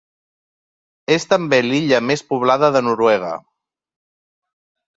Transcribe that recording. És també l'illa més poblada de Noruega.